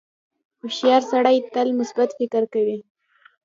• هوښیار سړی تل مثبت فکر کوي.